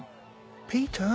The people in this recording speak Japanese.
ピーター